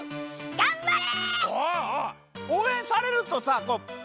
がんばれ！